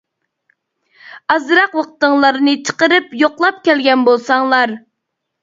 ئازراق ۋاقتىڭلارنى چىقىرىپ يوقلاپ كەلگەن بولساڭلار.